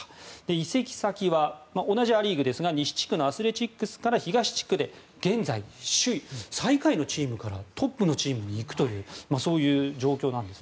移籍先は同じア・リーグですが西地区のアスレチックスから東地区で最下位のチームからトップのチームに行くという状況です。